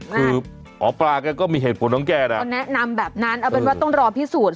คือหมอปลาแกก็มีเหตุผลของแกนะก็แนะนำแบบนั้นเอาเป็นว่าต้องรอพิสูจน์